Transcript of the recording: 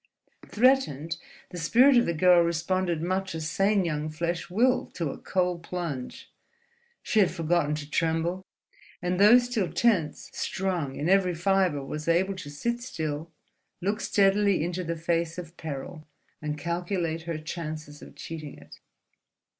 Threatened, the spirit of the girl responded much as sane young flesh will to a cold plunge. She had forgotten to tremble, and though still tense strung in every fibre was able to sit still, look steadily into the face of peril, and calculate her chances of cheating it.